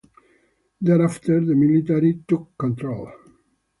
Thereafter the military took control.